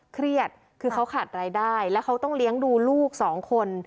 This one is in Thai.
เครียดคือเขาขาดรายได้แล้วเขาต้องเลี้ยงดูลูกสองคน